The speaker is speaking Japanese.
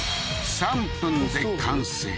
３分で完成